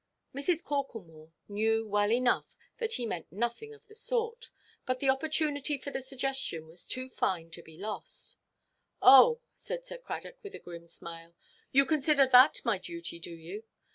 Mrs. Corklemore knew well enough that he meant nothing of the sort; but the opportunity for the suggestion was too fine to be lost. "Oh," said Sir Cradock, with a grim smile, "you consider that my duty, do you?